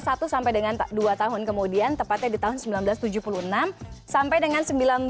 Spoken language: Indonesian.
satu sampai dengan dua tahun kemudian tepatnya di tahun seribu sembilan ratus tujuh puluh enam sampai dengan seribu sembilan ratus sembilan puluh